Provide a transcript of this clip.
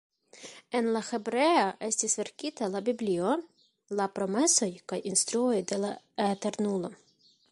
En la hebrea estis verkita la biblio, la promesoj kaj instruoj de la Eternulo.